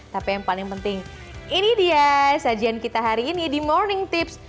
tapi yang paling penting ini dia sajian kita hari ini di morning tips